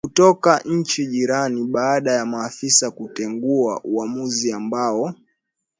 kutoka nchi jirani baada ya maafisa kutengua uamuzi ambao